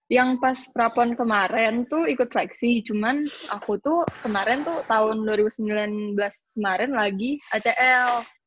yang pas prapon kemarin tuh ikut seleksi cuman aku tuh kemarin tuh tahun dua ribu sembilan belas kemarin lagi acl